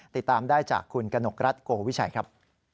ติดตามได้จากคุณกนกรัฐโกวิชัยครับ